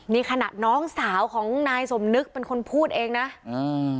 นี่ขณะน้องสาวของนายสมนึกเป็นคนพูดเองนะอ่า